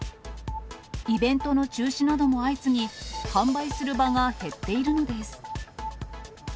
イベントの中止なども相次ぎ、販売する場が減っているのです。